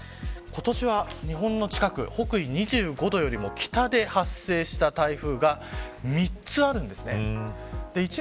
今年は日本の近く北緯２５度よりも北で発生した台風が３つあるんですね。